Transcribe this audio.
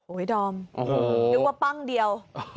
โอ้ยดอมรู้ว่าปั้งเดียว